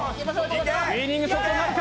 ウィニングショットになるか！